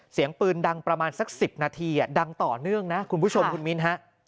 เสียงปืนดังประมาณสัก๑๐นาทีดังต่อเนื่องนะคุณผู้ชมคุณมิ้นฮะ